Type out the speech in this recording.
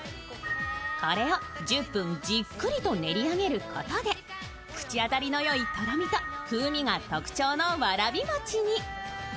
これを１０分じっくりと練り上げることで口当たりのよいとろみと風味が特徴のわらび餅に。